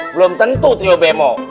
belum tentu trio bemo